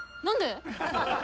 何で？